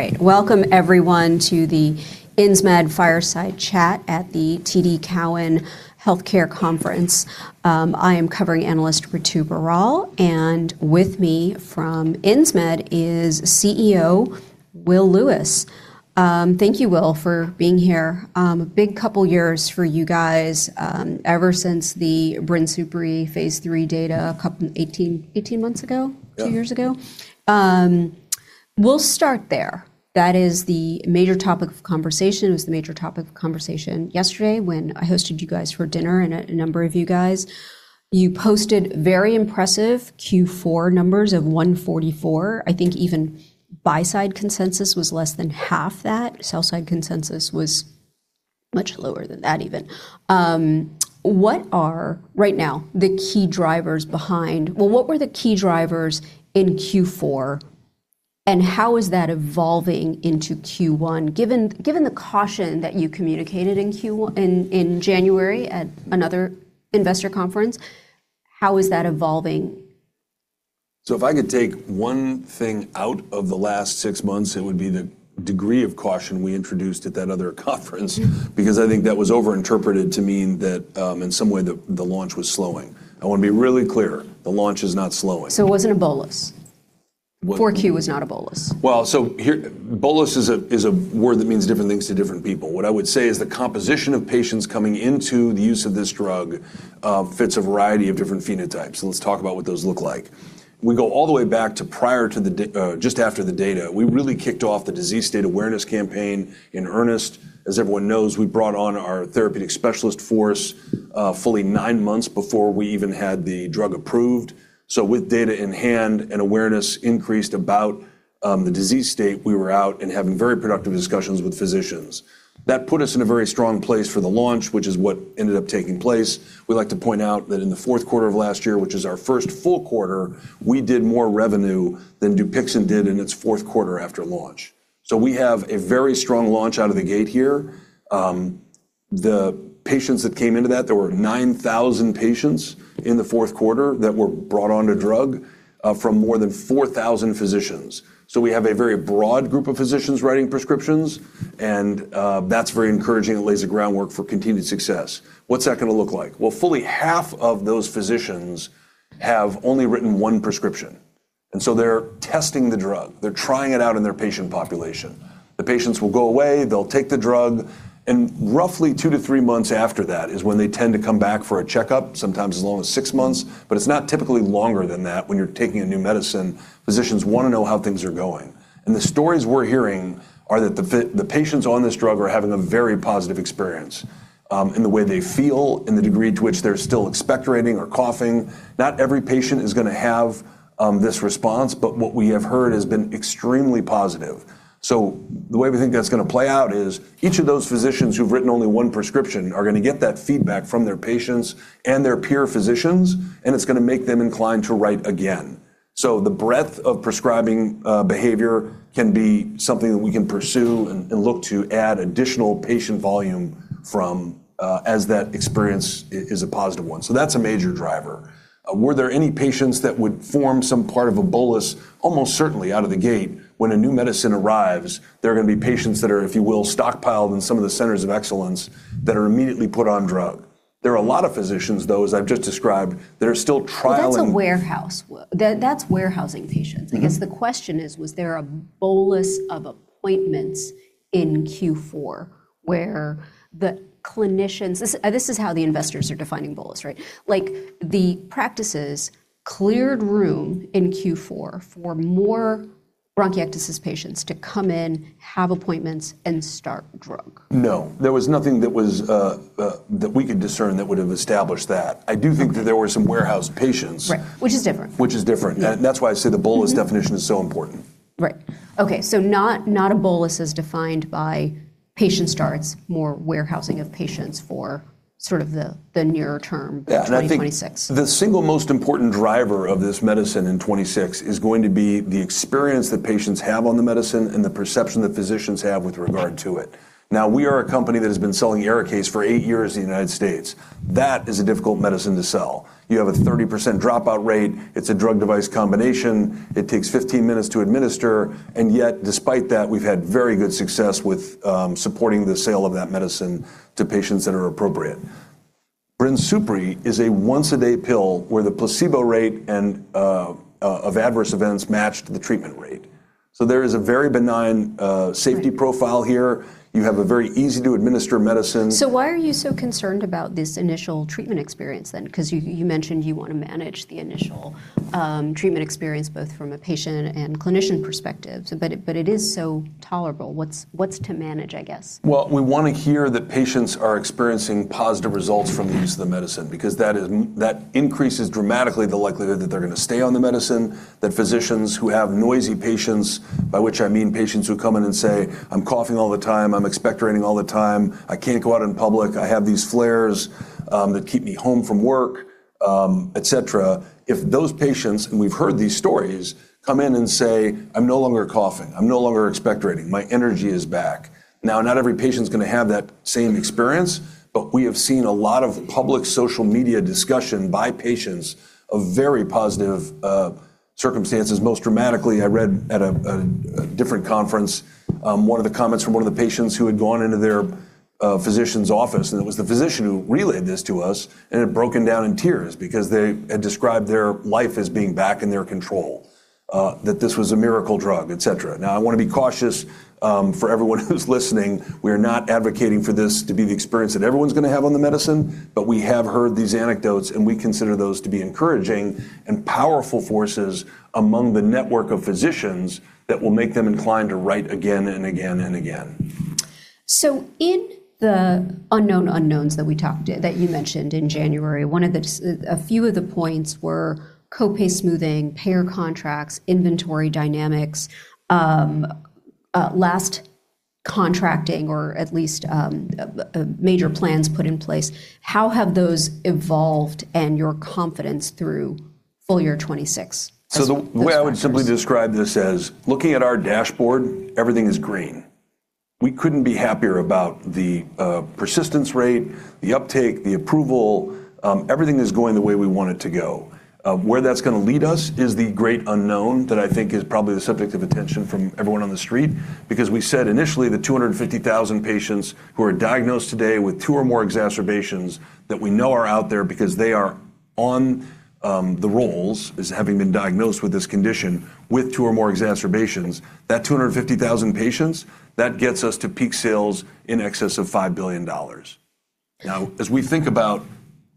All right. Welcome everyone to the Insmed Fireside Chat at the TD Cowen Healthcare Conference. I am covering analyst Ritu Baral, and with me from Insmed is CEO Will Lewis. Thank you, Will, for being here. A big couple years for you guys, ever since the BRINSUPRI phase III data 18 months ago?. Yeah Two years ago. We'll start there. That is the major topic of conversation. It was the major topic of conversation yesterday when I hosted you guys for dinner, and a number of you guys. You posted very impressive Q4 numbers of $144. I think even buy side consensus was less than half that. Sell side consensus was much lower than that even. What are, right now, the key drivers behind. Well, what were the key drivers in Q4, and how is that evolving into Q1? Given the caution that you communicated in January at another investor conference, how is that evolving? If I could take one thing out of the last six months, it would be the degree of caution we introduced at that other conference. I think that was over interpreted to mean that, in some way the launch was slowing. I wanna be really clear, the launch is not slowing. It wasn't a bolus? What? 4Q was not a bolus. Well, bolus is a word that means different things to different people. What I would say is the composition of patients coming into the use of this drug, fits a variety of different phenotypes, and let's talk about what those look like. We go all the way back to just after the data. We really kicked off the disease state awareness campaign in earnest. As everyone knows, we brought on our Therapeutic Specialist force, fully nine months before we even had the drug approved. With data in hand and awareness increased about the disease state, we were out and having very productive discussions with physicians. That put us in a very strong place for the launch, which is what ended up taking place. We like to point out that in the fourth quarter of last year, which is our first full quarter, we did more revenue than DUPIXENT did in its fourth quarter after launch. We have a very strong launch out of the gate here. The patients that came into that, there were 9,000 patients in the fourth quarter that were brought onto drug from more than 4,000 physicians. We have a very broad group of physicians writing prescriptions and, that's very encouraging. It lays the groundwork for continued success. What's that gonna look like? Well, fully half of those physicians have only written one prescription. They're testing the drug. They're trying it out in their patient population. The patients will go away, they'll take the drug. Roughly two to three months after that is when they tend to come back for a checkup, sometimes as long as six months, but it's not typically longer than that. When you're taking a new medicine, physicians wanna know how things are going. The stories we're hearing are that the patients on this drug are having a very positive experience in the way they feel, in the degree to which they're still expectorating or coughing. Not every patient is gonna have this response, but what we have heard has been extremely positive. The way we think that's gonna play out is each of those physicians who've written only one prescription are gonna get that feedback from their patients and their peer physicians, and it's gonna make them inclined to write again. The breadth of prescribing behavior can be something that we can pursue and look to add additional patient volume from, as that experience is a positive one. That's a major driver. Were there any patients that would form some part of a bolus? Almost certainly out of the gate. When a new medicine arrives, there are gonna be patients that are, if you will, stockpiled in some of the centers of excellence that are immediately put on drug. There are a lot of physicians, those I've just described, that are still trialing. Well, that's a warehouse that's warehousing patients. I guess the question is, was there a bolus of appointments in Q4 where the clinicians? This is how the investors are defining bolus, right? Like the practices cleared room in Q4 for more bronchiectasis patients to come in, have appointments, and start drug. No, there was nothing that was that we could discern that would have established that. I do think that there were some warehoused patients. Right, which is different. Which is different. Yeah. That's why I say the bolus definition is so important. Right. Okay. Not, not a bolus as defined by patient starts, more warehousing of patients for sort of the nearer term. Yeah. 2026 The single most important driver of this medicine in 2026 is going to be the experience that patients have on the medicine and the perception that physicians have with regard to it. We are a company that has been selling ARIKAYCE for eight years in the United States. That is a difficult medicine to sell. You have a 30% drop-out rate, it's a drug device combination, it takes 15 minutes to administer, and yet despite that, we've had very good success with supporting the sale of that medicine to patients that are appropriate. BRINSUPRI is a once a day pill where the placebo rate and of adverse events match the treatment rate. There is a very benign safety profile here. You have a very easy to administer medicine. Why are you so concerned about this initial treatment experience then? 'Cause you mentioned you wanna manage the initial treatment experience both from a patient and clinician perspective, but it is so tolerable. What's to manage, I guess? We wanna hear that patients are experiencing positive results from the use of the medicine, because that increases dramatically the likelihood that they're gonna stay on the medicine, that physicians who have noisy patients, by which I mean patients who come in and say, "I'm coughing all the time, I'm expectorating all the time. I can't go out in public. I have these flares that keep me home from work," et cetera. If those patients, and we've heard these stories, come in and say, "I'm no longer coughing. I'm no longer expectorating. My energy is back". Not every patient's gonna have that same experience, but we have seen a lot of public social media discussion by patients of very positive circumstances. Most dramatically, I read at a different conference, one of the comments from one of the patients who had gone into their physician's office, and it was the physician who relayed this to us, and had broken down in tears because they had described their life as being back in their control. That this was a miracle drug, et cetera. Now, I wanna be cautious for everyone who's listening. We're not advocating for this to be the experience that everyone's gonna have on the medicine, but we have heard these anecdotes, and we consider those to be encouraging and powerful forces among the network of physicians that will make them inclined to write again and again and again. In the unknown unknowns that we talked that you mentioned in January, one of a few of the points were co-pay smoothing, payer contracts, inventory dynamics, last contracting or at least, a major plans put in place. How have those evolved and your confidence through full year 2026? The way I would simply describe this as looking at our dashboard, everything is green. We couldn't be happier about the persistence rate, the uptake, the approval. Everything is going the way we want it to go. Where that's gonna lead us is the great unknown that I think is probably the subject of attention from everyone on the street. We said initially the 250,000 patients who are diagnosed today with two or more exacerbations that we know are out there because they are on the rolls as having been diagnosed with this condition with two or more exacerbations. That 250,000 patients, that gets us to peak sales in excess of $5 billion. As we think about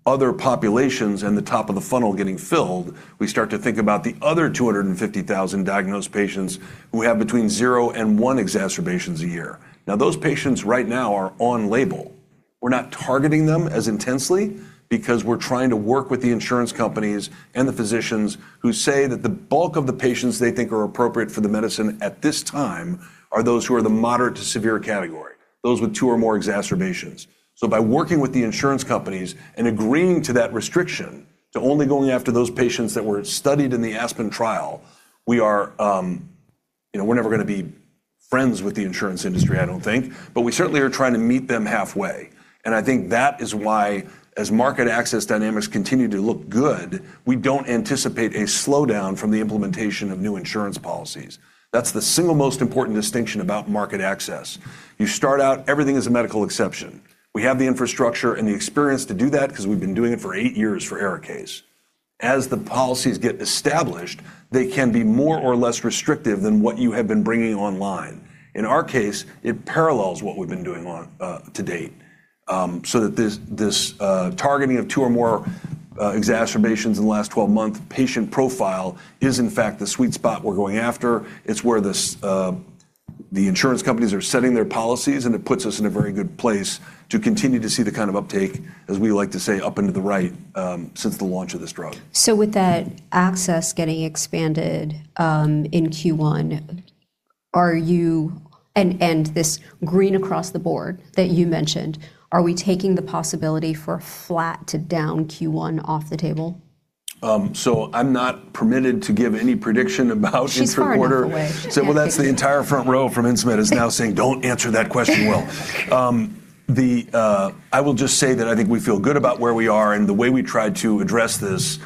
other populations and the top of the funnel getting filled, we start to think about the other 250,000 diagnosed patients who have between zero and one exacerbations a year. Those patients right now are on label. We're not targeting them as intensely because we're trying to work with the insurance companies and the physicians who say that the bulk of the patients they think are appropriate for the medicine at this time are those who are the moderate to severe category, those with two or more exacerbations. By working with the insurance companies and agreeing to that restriction to only going after those patients that were studied in the ASPEN trial, we are, you know, we're never gonna be friends with the insurance industry, I don't think, but we certainly are trying to meet them halfway. I think that is why, as market access dynamics continue to look good, we don't anticipate a slowdown from the implementation of new insurance policies. That's the single most important distinction about market access. You start out, everything is a medical exception. We have the infrastructure and the experience to do that because we've been doing it for eight years for ARIKAYCE. As the policies get established, they can be more or less restrictive than what you have been bringing online. In our case, it parallels what we've been doing on to date. So that this targeting of two or more exacerbations in the last 12-month patient profile is, in fact, the sweet spot we're going after. It's where the insurance companies are setting their policies, it puts us in a very good place to continue to see the kind of uptake, as we like to say, up into the right, since the launch of this drug. With that access getting expanded, in Q1, and this green across the board that you mentioned, are we taking the possibility for flat to down Q1 off the table? I'm not permitted to give any prediction about each quarter. She's far enough away. That's the entire front row from Insmed is now saying, "Don't answer that question, Will." I will just say that I think we feel good about where we are and the way we tried to address this,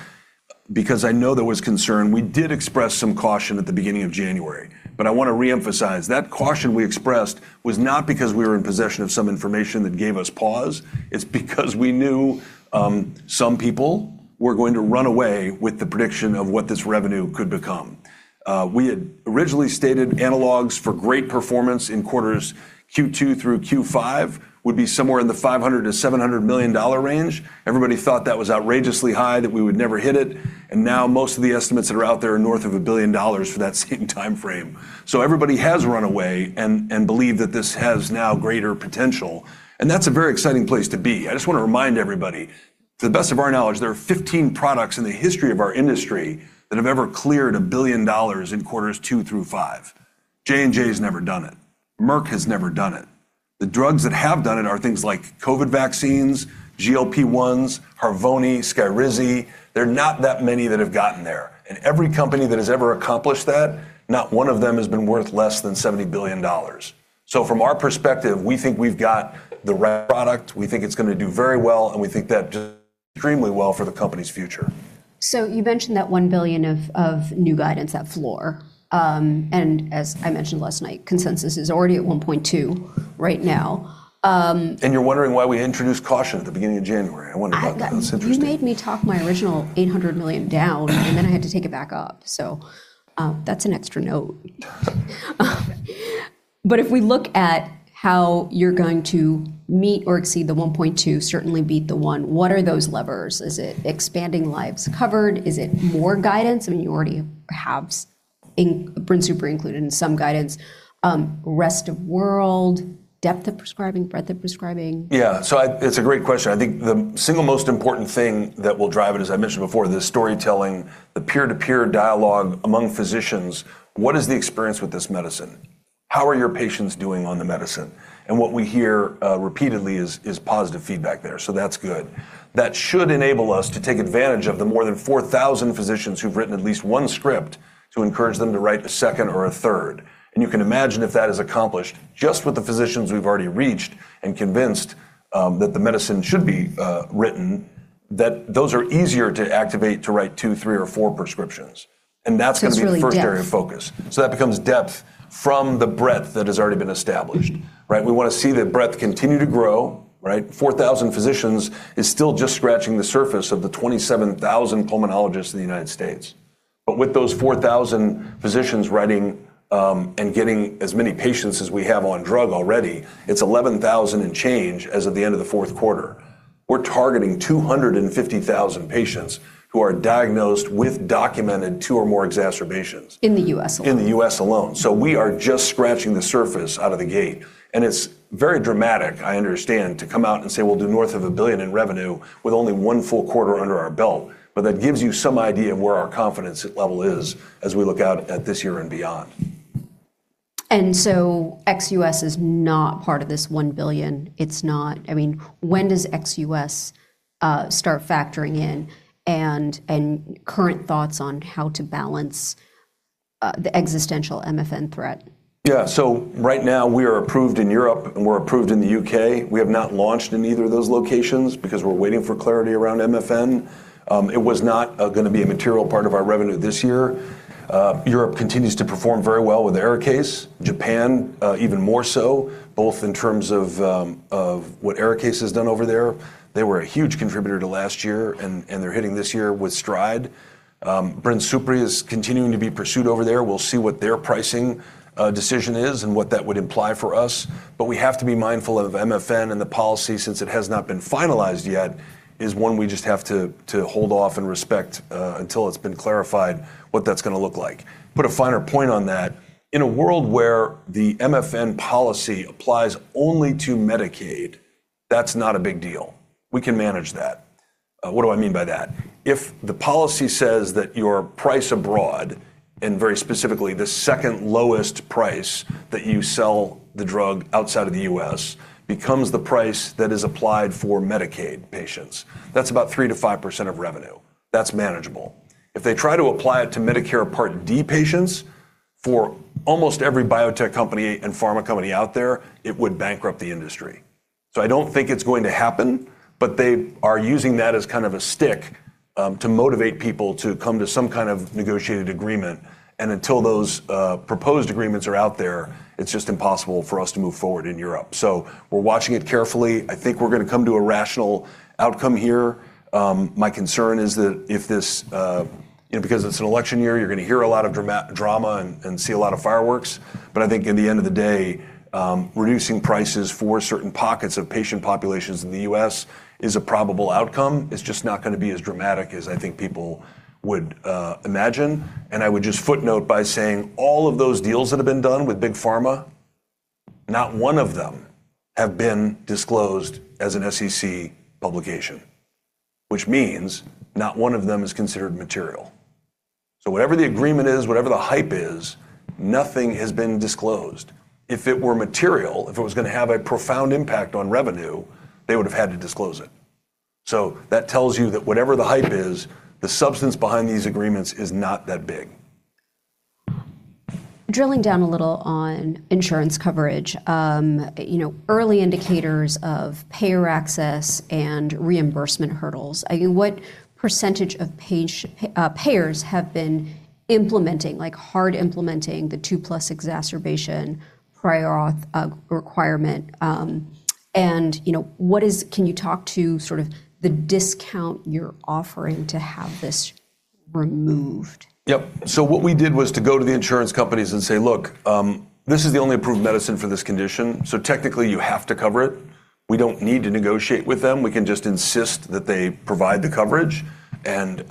because I know there was concern. We did express some caution at the beginning of January. I wanna re-emphasize, that caution we expressed was not because we were in possession of some information that gave us pause. It's because we knew some people we're going to run away with the prediction of what this revenue could become. We had originally stated analogs for great performance in quarters Q2 through Q5 would be somewhere in the $500 million to $700 million range. Everybody thought that was outrageously high, that we would never hit it, and now most of the estimates that are out there are north of $1 billion for that same timeframe. Everybody has run away and believe that this has now greater potential, and that's a very exciting place to be. I just wanna remind everybody, to the best of our knowledge, there are 15 products in the history of our industry that have ever cleared $1 billion in quarters 2 through 5. J&J's never done it. Merck has never done it. The drugs that have done it are things like COVID vaccines, GLP-1s, HARVONI, SKYRIZI. They're not that many that have gotten there. Every company that has ever accomplished that, not one of them has been worth less than $70 billion. From our perspective, we think we've got the right product, we think it's gonna do very well, and we think that extremely well for the company's future. You mentioned that $1 billion of new guidance, that floor. As I mentioned last night, consensus is already at $1.2 billion right now. You're wondering why we introduced caution at the beginning of January. I wonder about that. That's interesting. You made me talk my original $800 million down, and then I had to take it back up. That's an extra note. If we look at how you're going to meet or exceed the $1.2 billion, certainly beat the $1 billion, what are those levers? Is it expanding lives covered? Is it more guidance? I mean, you already have been BRINSUPRI included in some guidance. Rest of world, depth of prescribing, breadth of prescribing. It's a great question. I think the single most important thing that will drive it, as I mentioned before, the storytelling, the peer-to-peer dialogue among physicians. What is the experience with this medicine? How are your patients doing on the medicine? What we hear repeatedly is positive feedback there, so that's good. That should enable us to take advantage of the more than 4,000 physicians who've written at least one script to encourage them to write a second or a third. You can imagine if that is accomplished just with the physicians we've already reached and convinced that the medicine should be written. Those are easier to activate to write two, three, or four prescriptions. That's going to be. It's really depth. The first area of focus. That becomes depth from the breadth that has already been established, right? We wanna see the breadth continue to grow, right? 4,000 physicians is still just scratching the surface of the 27,000 pulmonologists in the United States. But with those 4,000 physicians writing, and getting as many patients as we have on drug already, it's 11,000 and change as of the end of the fourth quarter. We're targeting 250,000 patients who are diagnosed with documented two or more exacerbations. In the U.S. alone. In the U.S. alone. We are just scratching the surface out of the gate, and it's very dramatic, I understand, to come out and say we'll do north of $1 billion in revenue with only one full quarter under our belt. That gives you some idea of where our confidence level is as we look out at this year and beyond. Ex-U.S. is not part of this $1 billion. I mean, when does ex-U.S. start factoring in and current thoughts on how to balance the existential MFN threat? Yeah. Right now we are approved in Europe, and we're approved in the U.K. we have not launched in either of those locations because we're waiting for clarity around MFN. It was not gonna be a material part of our revenue this year. Europe continues to perform very well with ARIKAYCE. Japan, even more so, both in terms of what ARIKAYCE has done over there. They were a huge contributor to last year and they're hitting this year with stride. BRINSUPRI is continuing to be pursued over there. We'll see what their pricing decision is and what that would imply for us. We have to be mindful of MFN and the policy, since it has not been finalized yet, is one we just have to hold off and respect until it's been clarified what that's gonna look like. Put a finer point on that. In a world where the MFN policy applies only to Medicaid, that's not a big deal. We can manage that. What do I mean by that? If the policy says that your price abroad, and very specifically the second lowest price that you sell the drug outside of the U.S. becomes the price that is applied for Medicaid patients, that's about 3% to 5% of revenue. That's manageable. If they try to apply it to Medicare Part D patients, for almost every biotech company and pharma company out there, it would bankrupt the industry. I don't think it's going to happen, but they are using that as kind of a stick to motivate people to come to some kind of negotiated agreement. Until those proposed agreements are out there, it's just impossible for us to move forward in Europe. We're watching it carefully. I think we're gonna come to a rational outcome here. My concern is that if this, you know, because it's an election year, you're gonna hear a lot of drama and see a lot of fireworks. I think at the end of the day, reducing prices for certain pockets of patient populations in the U.S. is a probable outcome. It's just not gonna be as dramatic as I think people would imagine. I would just footnote by saying all of those deals that have been done with big pharma, not one of them have been disclosed as an SEC publication, which means not one of them is considered material. Whatever the agreement is, whatever the hype is, nothing has been disclosed. If it were material, if it was gonna have a profound impact on revenue, they would have had to disclose it. That tells you that whatever the hype is, the substance behind these agreements is not that big. Drilling down a little on insurance coverage, you know, early indicators of payer access and reimbursement hurdles. What percentage of payers have been implementing, like hard implementing the two plus exacerbation prior authorization requirement, you know, can you talk to sort of the discount you're offering to have this removed? Yep. What we did was to go to the insurance companies and say, "Look, this is the only approved medicine for this condition, so technically you have to cover it." We don't need to negotiate with them. We can just insist that they provide the coverage and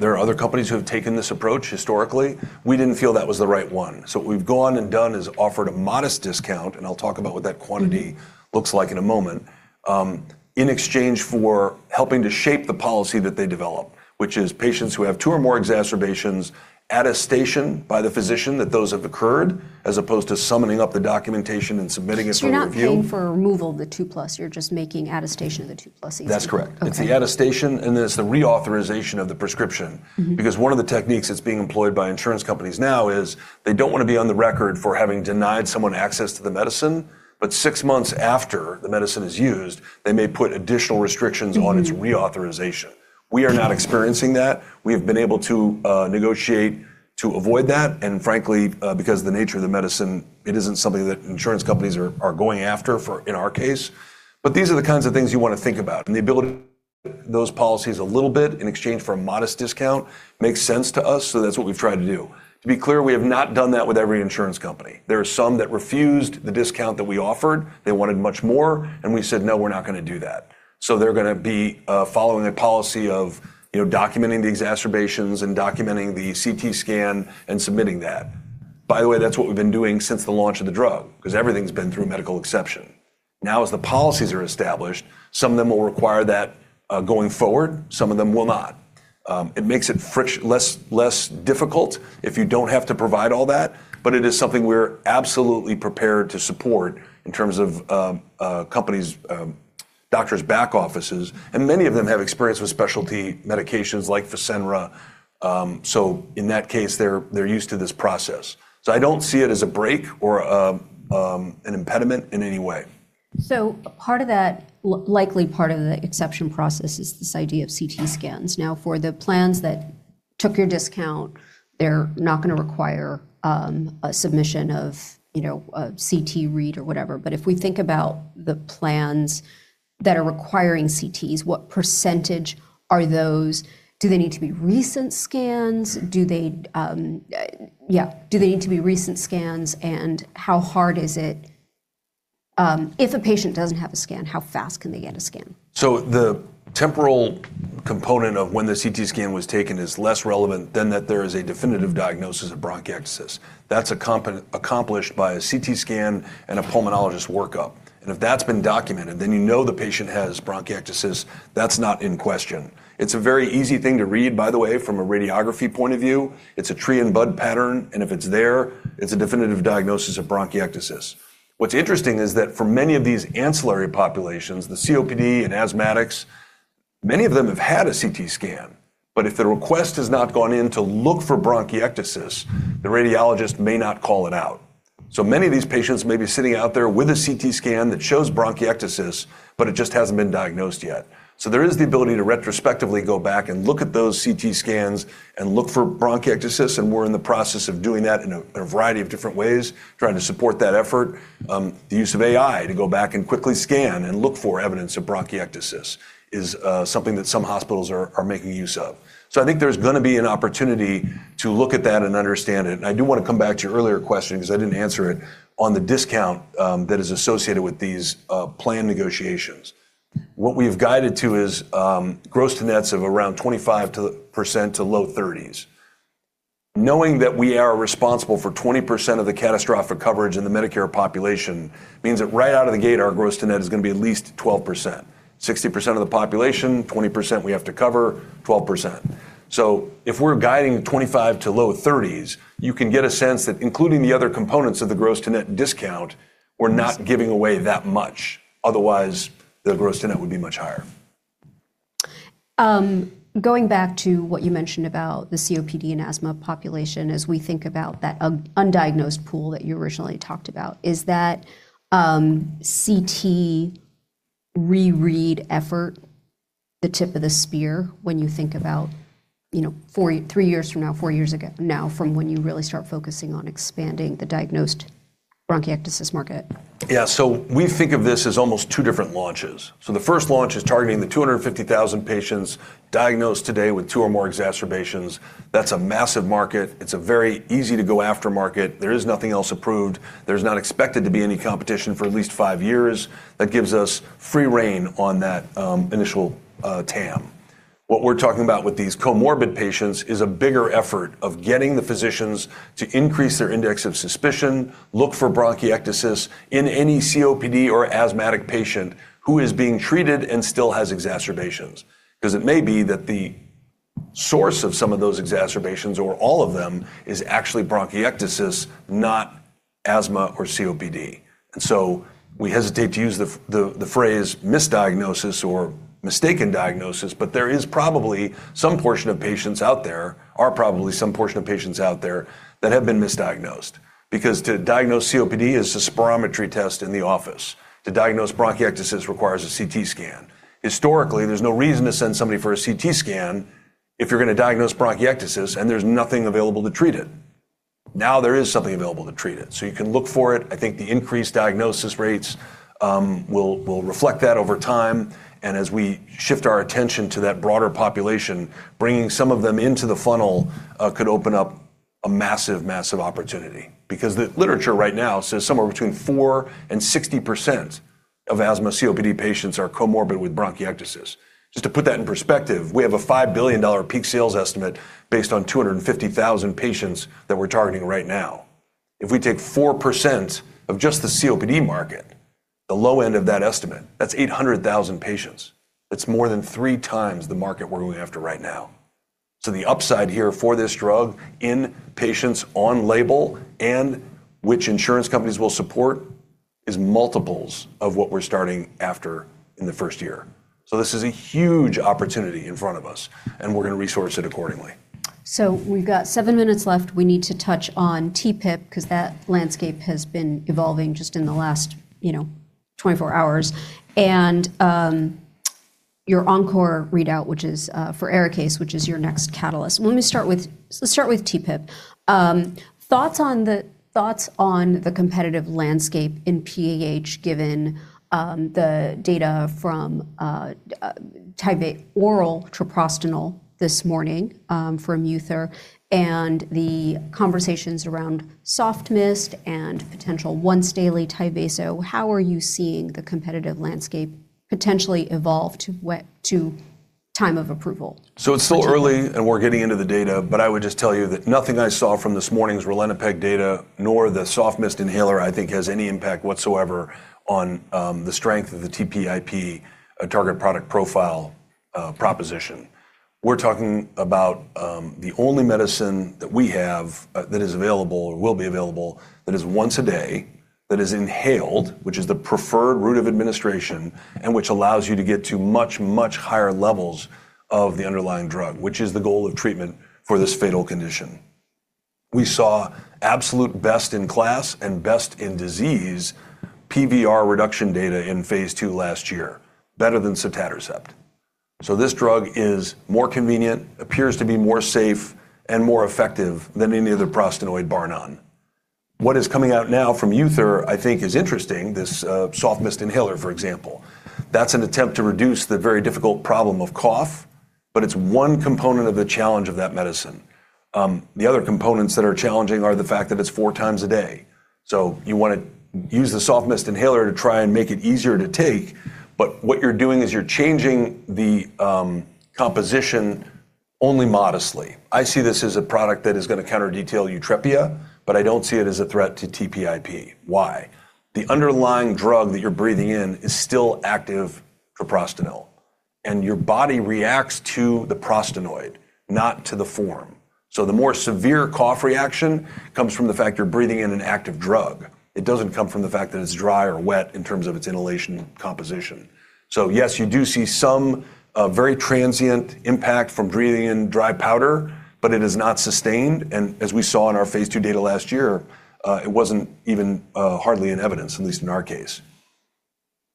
there are other companies who have taken this approach historically. We didn't feel that was the right one. What we've gone and done is offered a modest discount, and I'll talk about what that quantity looks like in a moment, in exchange for helping to shape the policy that they develop, which is patients who have two or more exacerbations, attestation by the physician that those have occurred, as opposed to summoning up the documentation and submitting it for review. You're not paying for removal of the two plus, you're just making attestation of the two plus easier. That's correct. Okay. It's the attestation, and then it's the reauthorization of the prescription. One of the techniques that's being employed by insurance companies now is they don't wanna be on the record for having denied someone access to the medicine, but six months after the medicine is used, they may put additional restrictions on its reauthorization. We are not experiencing that. We have been able to negotiate to avoid that. Frankly, because of the nature of the medicine, it isn't something that insurance companies are going after in our case. These are the kinds of things you wanna think about, and the ability to move those policies a little bit in exchange for a modest discount makes sense to us, so that's what we've tried to do. To be clear, we have not done that with every insurance company. There are some that refused the discount that we offered. They wanted much more, and we said, "No, we're not gonna do that." They're gonna be following a policy of, you know, documenting the exacerbations and documenting the CT scan and submitting that. By the way, that's what we've been doing since the launch of the drug, 'cause everything's been through medical exception. Now, as the policies are established, some of them will require that, going forward, some of them will not. It makes it less difficult if you don't have to provide all that, but it is something we're absolutely prepared to support in terms of companies', doctors' back offices, and many of them have experience with specialty medications like FASENRA, so in that case, they're used to this process. I don't see it as a break or an impediment in any way. Part of that likely part of the exception process is this idea of CT scans. For the plans that took your discount, they're not gonna require a submission of, you know, a CT read or whatever. If we think about the plans that are requiring CT's, what percentage are those? Do they need to be recent scans? How hard is it if a patient doesn't have a scan, how fast can they get a scan? The temporal component of when the CT scan was taken is less relevant than that there is a definitive diagnosis of bronchiectasis. That's accomplished by a CT scan and a pulmonologist workup, and if that's been documented, then you know the patient has bronchiectasis. That's not in question. It's a very easy thing to read, by the way, from a radiography point of view. It's a tree-in-bud pattern, and if it's there, it's a definitive diagnosis of bronchiectasis. What's interesting is that for many of these ancillary populations, the COPD and asthmatics, many of them have had a CT scan, but if the request has not gone in to look for bronchiectasis, the radiologist may not call it out. Many of these patients may be sitting out there with a CT scan that shows bronchiectasis, but it just hasn't been diagnosed yet. There is the ability to retrospectively go back and look at those CT scans and look for bronchiectasis, and we're in the process of doing that in a variety of different ways, trying to support that effort. The use of AI to go back and quickly scan and look for evidence of bronchiectasis is something that some hospitals are making use of. I think there's gonna be an opportunity to look at that and understand it. I do wanna come back to your earlier question 'cause I didn't answer it, on the discount that is associated with these plan negotiations. What we've guided to is gross-to-nets of around 25% to low 30s. Knowing that we are responsible for 20% of the catastrophic coverage in the Medicare population means that right out of the gate, our gross to net is gonna be at least 12%. 60% of the population, 20% we have to cover, 12%. If we're guiding 25 to low 30s, you can get a sense that including the other components of the gross to net discount, we're not giving away that much, otherwise the gross to net would be much higher. Going back to what you mentioned about the COPD and asthma population as we think about that undiagnosed pool that you originally talked about. Is that CT re-read effort the tip of the spear when you think about three years from now, four years from now, when you really start focusing on expanding the diagnosed bronchiectasis market? We think of this as almost two different launches. The first launch is targeting the 250,000 patients diagnosed today with two or more exacerbations. That's a massive market. It's a very easy to go after market. There is nothing else approved. There's not expected to be any competition for at least five years. That gives us free rein on that initial TAM. What we're talking about with these comorbid patients is a bigger effort of getting the physicians to increase their index of suspicion, look for bronchiectasis in any COPD or asthmatic patient who is being treated and still has exacerbations. 'Cause it may be that the source of some of those exacerbations or all of them is actually bronchiectasis, not asthma or COPD. We hesitate to use the phrase misdiagnosis or mistaken diagnosis, but there is probably some portion of patients out there that have been misdiagnosed. To diagnose COPD is a spirometry test in the office. To diagnose bronchiectasis requires a CT scan. Historically, there's no reason to send somebody for a CT scan if you're gonna diagnose bronchiectasis and there's nothing available to treat it. Now, there is something available to treat it, so you can look for it. I think the increased diagnosis rates will reflect that over time, and as we shift our attention to that broader population, bringing some of them into the funnel could open up a massive opportunity. The literature right now says somewhere between 4% and 60% of asthma COPD patients are comorbid with bronchiectasis. Just to put that in perspective, we have a $5 billion peak sales estimate based on 250,000 patients that we're targeting right now. If we take 4% of just the COPD market, the low end of that estimate, that's 800,000 patients. That's more than three times the market we're going after right now. The upside here for this drug in patients on label and which insurance companies will support is multiples of what we're starting after in the first year. This is a huge opportunity in front of us, and we're gonna resource it accordingly. We've got seven minutes left. We need to touch on TPIP because that landscape has been evolving just in the last, you know, 24 hours, and your ENCORE readout, which is for ARIKAYCE, which is your next catalyst. Let's start with TPIP. Thoughts on the competitive landscape in PAH given the data from oral treprostinil this morning from UTHR and the conversations around soft mist and potential once daily TYVASO. How are you seeing the competitive landscape potentially evolve to time of approval? It's still early, and we're getting into the data, but I would just tell you that nothing I saw from this morning's ralinepag data nor the soft mist inhaler I think has any impact whatsoever on the strength of the TPIP target product profile proposition. We're talking about the only medicine that we have that is available or will be available that is once a day, that is inhaled, which is the preferred route of administration, and which allows you to get to much, much higher levels of the underlying drug, which is the goal of treatment for this fatal condition. We saw absolute best in class and best in disease PVR reduction data in phase two last year better than sotatercept. This drug is more convenient, appears to be more safe and more effective than any other prostanoid bar none. What is coming out now from UTHR I think is interesting, this soft mist inhaler, for example. That's an attempt to reduce the very difficult problem of cough, but it's one component of the challenge of that medicine. The other components that are challenging are the fact that it's four times a day. You wanna use the soft mist inhaler to try and make it easier to take, but what you're doing is you're changing the composition only modestly. I see this as a product that is gonna counter detail UPTRAVI, but I don't see it as a threat to TPIP. Why? The underlying drug that you're breathing in is still active for prostacyclin, and your body reacts to the prostanoid, not to the form. The more severe cough reaction comes from the fact you're breathing in an active drug. It doesn't come from the fact that it's dry or wet in terms of its inhalation composition. Yes, you do see some very transient impact from breathing in dry powder, but it is not sustained, and as we saw in our phase two data last year, it wasn't even hardly in evidence, at least in our case.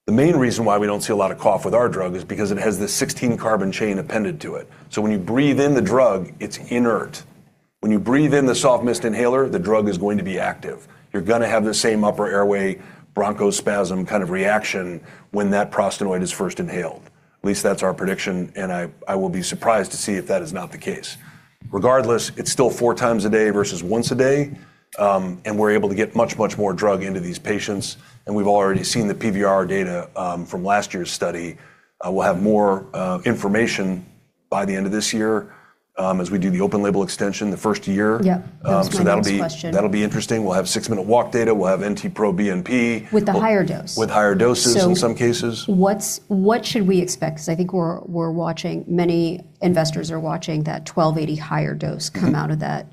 The main reason why we don't see a lot of cough with our drug is because it has this 16 carbon chain appended to it. When you breathe in the drug, it's inert. When you breathe in the soft mist inhaler, the drug is going to be active. You're gonna have the same upper airway bronchospasm kind of reaction when that prostanoid is first inhaled. At least that's our prediction, and I will be surprised to see if that is not the case. Regardless, it's still four times a day versus once a day, and we're able to get much, much more drug into these patients, and we've already seen the PVR data from last year's study. We'll have more information by the end of this year as we do the open label extension the first year. Yeah. That was my next question. That'll be interesting. We'll have six-minute walk data. We'll have NT-proBNP. With the higher dose. With higher doses in some cases. What should we expect? I think we're watching many investors are watching that 1280 higher dose come out of that,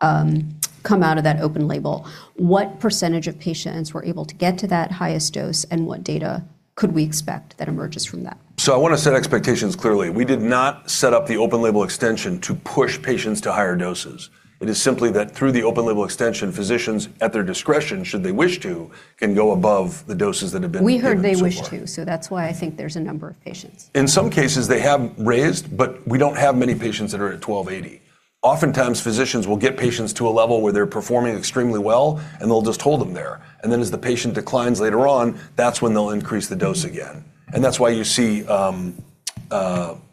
come out of that open label. What percentage of patients were able to get to that highest dose, and what data could we expect that emerges from that? I want to set expectations clearly. We did not set up the open label extension to push patients to higher doses. It is simply that through the open label extension, physicians at their discretion, should they wish to, can go above the doses that have been given so far. We heard they wish to, so that's why I think there's a number of patients. In some cases, they have raised. We don't have many patients that are at 1280. Often times physicians will get patients to a level where they're performing extremely well, and they'll just hold them there. As the patient declines later on, that's when they'll increase the dose again. That's why you see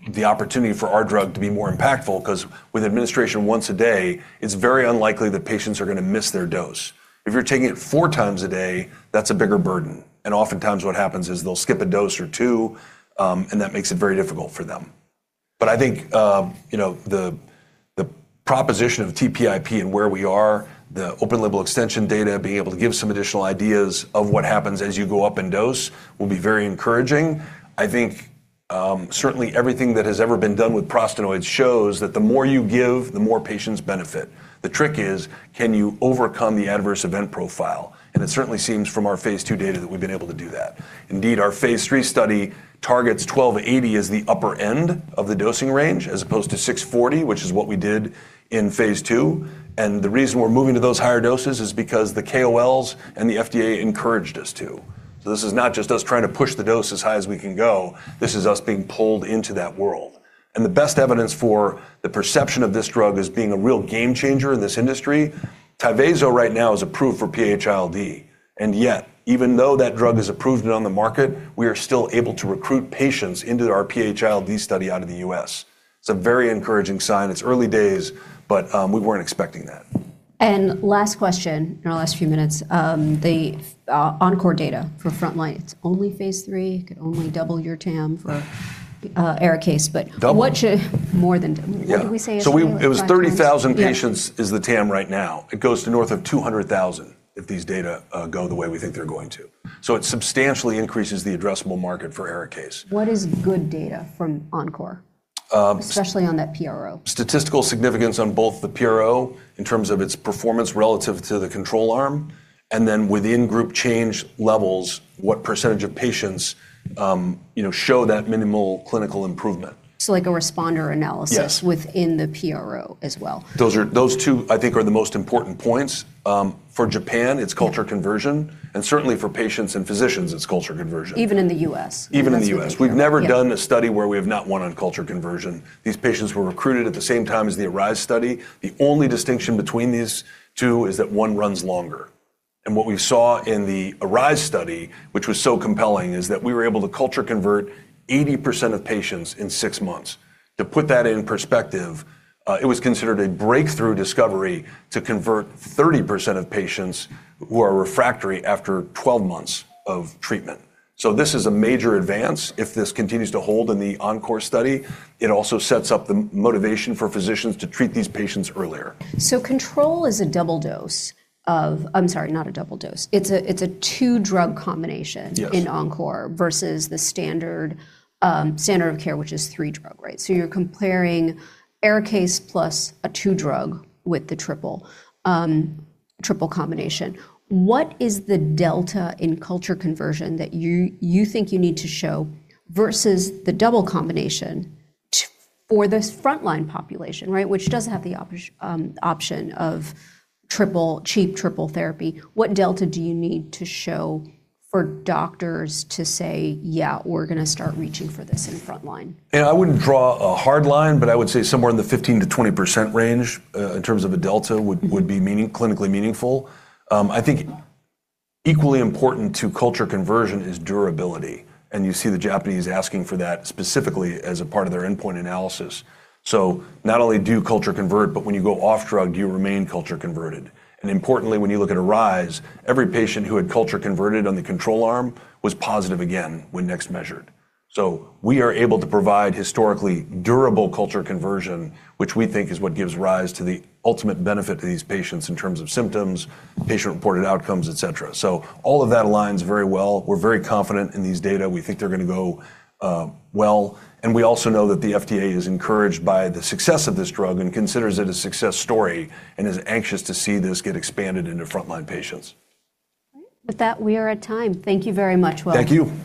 the opportunity for our drug to be more impactful 'cause with administration once a day, it's very unlikely that patients are gonna miss their dose. If you're taking it four times a day, that's a bigger burden, and oftentimes what happens is they'll skip a dose or two, and that makes it very difficult for them. I think, you know, the proposition of TPIP and where we are, the open label extension data, being able to give some additional ideas of what happens as you go up in dose will be very encouraging. I think, certainly everything that has ever been done with prostanoids shows that the more you give, the more patients benefit. The trick is can you overcome the adverse event profile, and it certainly seems from our phase two data that we've been able to do that. Indeed, our phase three study targets 1280 as the upper end of the dosing range as opposed to 640, which is what we did in phase II, and the reason we're moving to those higher doses is because the KOL's and the FDA encouraged us to. This is not just us trying to push the dose as high as we can go. This is us being pulled into that world. The best evidence for the perception of this drug as being a real game changer in this industry, TYVASO right now is approved for PAH-LD, and yet even though that drug is approved and on the market, we are still able to recruit patients into our PAH-LD study out of the U.S. It's a very encouraging sign. It's early days, but, we weren't expecting that. Last question in our last few minutes. The ENCORE data for frontline. It's only phase III. It could only double your TAM for ARIKAYCE. Double? More than double. Yeah. What did we say is the? It was 30,000 patients is the TAM right now. It goes to north of 200,000 if these data go the way we think they're going to. It substantially increases the addressable market for ARIKAYCE. What is good data from ENCORE? Especially on that PRO. Statistical significance on both the PRO in terms of its performance relative to the control arm and then within group change levels, what percent of patients, you know, show that minimal clinical improvement. Like a responder analysis. Yes Within the PRO as well. Those two, I think, are the most important points. For Japan, it's culture conversion, and certainly for patients and physicians it's culture conversion. Even in the U.S. Even in the U.S., we've never done a study where we have not won on culture conversion. These patients were recruited at the same time as the ARISE study. The only distinction between these two is that one runs longer. What we saw in the ARISE study, which was so compelling, is that we were able to culture convert 80% of patients in six months. To put that in perspective, it was considered a breakthrough discovery to convert 30% of patients who are refractory after 12 months of treatment. This is a major advance if this continues to hold in the ENCORE study. It also sets up the motivation for physicians to treat these patients earlier. Control is a double dose of. I'm sorry, not a double dose. It's a two drug combination. Yes In ENCORE versus the standard standard of care, which is three drug, right? You're comparing ARIKAYCE plus a two drug with the triple combination. What is the delta in culture conversion that you think you need to show versus the double combination for this frontline population, right, which does have the option of triple cheap therapy. What delta do you need to show for doctors to say, "Yeah, we're gonna start reaching for this in frontline"? Yeah, I wouldn't draw a hard line, but I would say somewhere in the 15% to 20% range, in terms of a delta would be clinically meaningful. I think equally important to culture conversion is durability, and you see the Japanese asking for that specifically as a part of their endpoint analysis. Not only do culture convert, but when you go off drug, do you remain culture converted? Importantly, when you look at ARISE, every patient who had culture converted on the control arm was positive again when next measured. We are able to provide historically durable culture conversion, which we think is what gives rise to the ultimate benefit to these patients in terms of symptoms, patient-reported outcomes, et cetera. All of that aligns very well. We're very confident in these data. We think they're gonna go well, and we also know that the FDA is encouraged by the success of this drug and considers it a success story and is anxious to see this get expanded into frontline patients. With that, we are at time. Thank you very much, Will. Thank you.